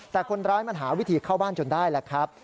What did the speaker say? แต่คนร้ายมันหาวิธีเข้าบ้านจนได้แหละครับ